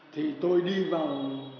thì tôi đi vào